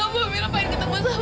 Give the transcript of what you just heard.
amira pengen ketemu sama ibu om